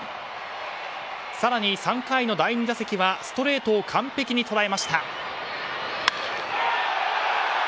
更に、３回の第２打席はストレートを完璧に捉えました。